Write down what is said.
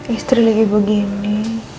istri lagi begini